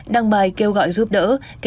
đăng bài kêu gọi giúp đỡ